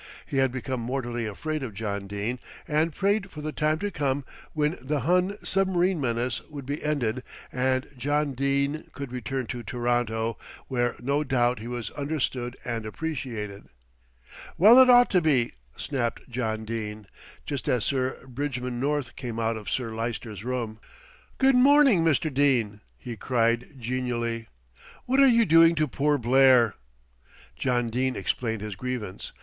He had become mortally afraid of John Dene, and prayed for the time to come when the Hun submarine menace would be ended, and John Dene could return to Toronto, where no doubt he was understood and appreciated. "Well, it ought to be," snapped John Dene, just as Sir Bridgman North came out of Sir Lyster's room. "Good morning, Mr. Dene," he cried genially. "What are you doing to poor Blair?" John Dene explained his grievance.